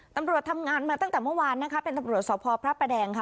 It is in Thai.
ตำรวจทำงานมาตั้งแต่เมื่อวานนะคะเป็นตำรวจสพพระประแดงค่ะ